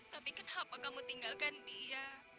tapi kenapa kamu tinggalkan dia